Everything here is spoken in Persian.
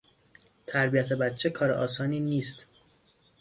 تربیت بچه کار آسانی نیست.